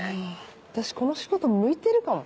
私この仕事向いてるかも。